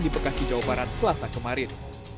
di bekasi jawa barat selasa kemarin